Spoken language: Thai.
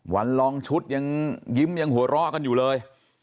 วันลองชุดยิ้มหัวรอกันอยู่เลย